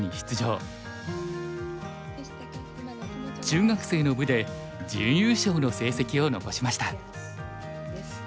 中学生の部で準優勝の成績を残しました。